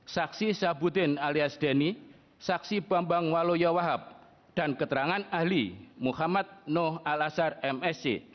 saksi sabuddin alias deni saksi bambang waloya wahab dan keterangan ahli muhammad nuh al asar msc